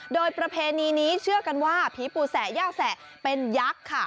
โดยประเพณีนี้เชื่อกันว่าผีปู่แสะย่าแสะเป็นยักษ์ค่ะ